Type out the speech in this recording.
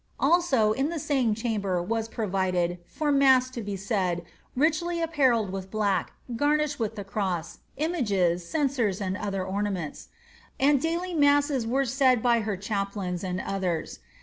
Also, in the same chamber, was pro vided, for mass to be said, richly apparelled with black, garnished with the cross, images, censers, and other ornaments. And daily masses were said by her chaplains, and others.